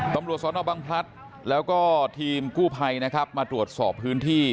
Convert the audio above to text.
ทำรวจสลับบางพลัดแล้วก็ธีมกู้ภัยมาตรวจสอบพื้นที่